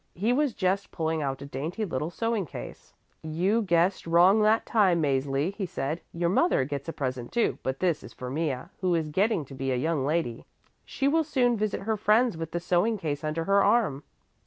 He was just pulling out a dainty little sewing case. "You guessed wrong that time, Mäzli," he said. "Your mother gets a present, too, but this is for Mea, who is getting to be a young lady. She will soon visit her friends with the sewing case under her arm."